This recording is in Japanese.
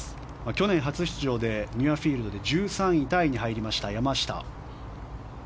去年初出場でミュアフィールドで１３位タイに入った山下。